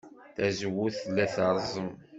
Tazewwut tella terẓem.